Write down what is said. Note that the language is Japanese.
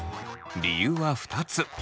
理由は２つ。